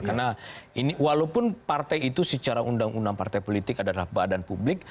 karena walaupun partai itu secara undang undang partai politik adalah badan publik